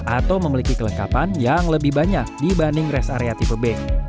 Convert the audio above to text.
atau memiliki kelengkapan yang lebih banyak dibanding rest area tipe b